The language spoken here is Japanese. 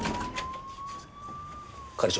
係長。